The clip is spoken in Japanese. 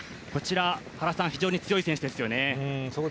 こちら、非常に強い選手ですよね。